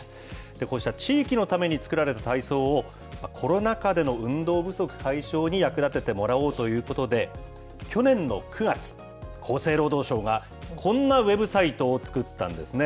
こうした地域のために作られた体操を、コロナ禍での運動不足解消に役立ててもらおうということで、去年の９月、厚生労働省がこんなウェブサイトを作ったんですね。